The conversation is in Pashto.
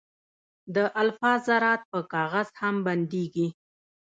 د الفا ذرات په کاغذ هم بندېږي.